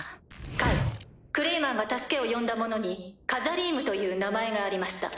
解クレイマンが助けを呼んだ者にカザリームという名前がありました。